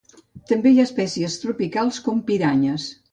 També hi ha algunes espècies tropicals com piranyes.